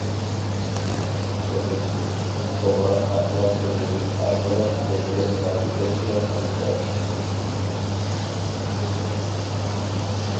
تۆتىنچى، توغرا ئەخلاق تۇرغۇزۇش ئارقىلىق كەيپىياتقا يېتەكچىلىك قىلىشتا چىڭ تۇرۇش.